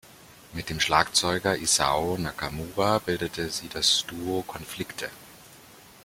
Mit dem Schlagzeuger Isao Nakamura bildet sie das Duo "Konflikte".